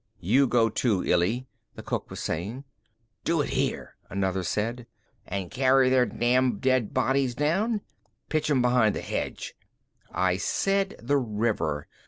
"You go too, Illy," the cook was saying. "Do it here," another said. "And carry their damn dead bodies down?" "Pitch 'em behind the hedge." "I said the river.